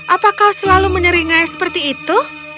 apa kau selalu menyeringai seperti itu